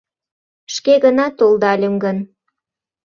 Шке гына толдальым гын, -